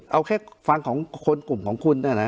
เอาแค่ฟังของคนกลุ่มของคุณ